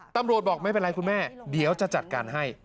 บอกไม่เป็นไรคุณแม่เดี๋ยวจะจัดการให้